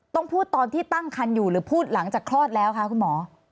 ต้องพูดตอนที่ตั้งคันอยู่หรือพูดหลังจากคลอดแล้วคะคุณหมอ